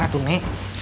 sabar atun nek